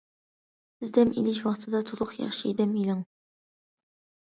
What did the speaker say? سىز دەم ئېلىش ۋاقتىدا تولۇق، ياخشى دەم ئېلىڭ!